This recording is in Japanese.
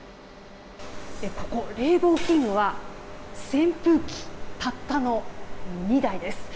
冷房器具は扇風機たったの２台です。